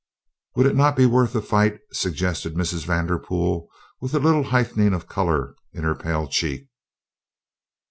"Would it not be worth a fight?" suggested Mrs. Vanderpool with a little heightening of color in her pale cheek.